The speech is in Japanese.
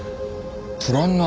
プランナー？